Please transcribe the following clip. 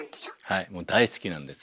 はいもう大好きなんです。